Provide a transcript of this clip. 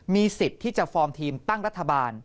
มีสิทธิ์ที่จะฟอร์มทีมตั้งรัฐบาล